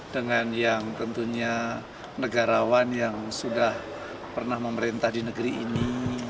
dengan yang tentunya negarawan yang sudah pernah memerintah di negeri ini